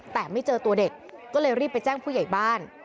แต่ไม่เจอตัวเด็กก็เลยรีบไปแจ้งผู้ใหญ่บ้าน